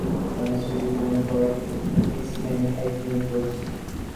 Cuming Street is known for its many ethnic groups.